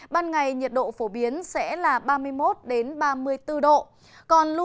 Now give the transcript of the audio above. ban ngày nhiệt độ phổ biến sẽ là ba mươi một ba mươi bốn độ